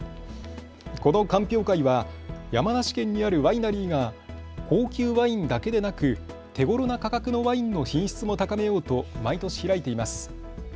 この鑑評会は山梨県にあるワイナリーが高級ワインだけでなく手ごろな価格のワインの品質も高めようと毎年、開いています。